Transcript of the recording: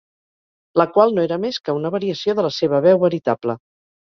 La qual no era més que una variació de la seva veu veritable.